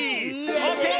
オーケー！